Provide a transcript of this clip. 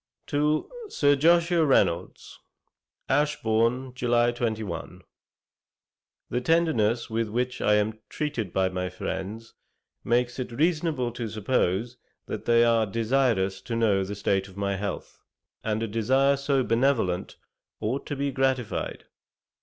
To SIR JOSHUA REYNOLDS: Ashbourne, July 21. 'The tenderness with which I am treated by my friends, makes it reasonable to suppose that they are desirous to know the state of my health, and a desire so benevolent ought to be gratified.